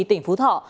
tỉnh phú thọ